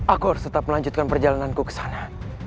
aku harus tetap melanjutkan perjalananku ke sana